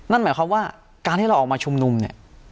นั่นหมายความว่าการที่เราออกมาชุมนุมเนี่ย